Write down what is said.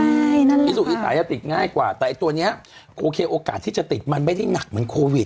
ใช่นั่นแหละพี่สุอีสานจะติดง่ายกว่าแต่ไอ้ตัวนี้โอเคโอกาสที่จะติดมันไม่ได้หนักเหมือนโควิด